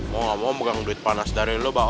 mau gak mau megang duit panas dari lo bang